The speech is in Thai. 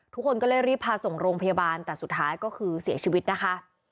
ทุกคนก็เลยรีบพาส่งโรงพยาบาลแต่สุดท้ายก็คือเสียชีวิตนะคะ